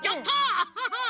アッハハ！